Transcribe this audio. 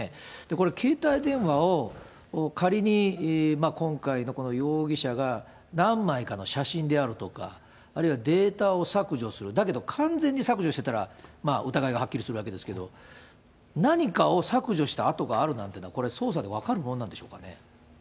これ、携帯電話を仮に今回のこの容疑者が何枚かの写真であるとか、あるいはデータを削除する、だけど完全に削除してたら疑いがはっきりするわけですけど、なにかを削除した跡があるなんていうのは、捜査で分かるものなんでしょうかね。